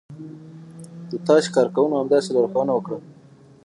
د تاسې کارکونکو همداسې لارښوونه وکړه.